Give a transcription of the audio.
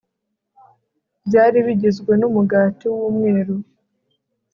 Byari bigizwe numugati wumweru